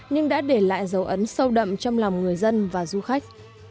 nhưng đã để lại dấu ấn sâu đậm trong lòng người dân và du khách